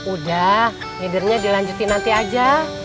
udah leadernya dilanjutin nanti aja